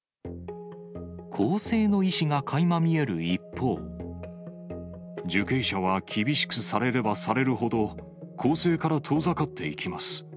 更生の意思がかいま見える一受刑者は厳しくされればされるほど、更生から遠ざかっていきます。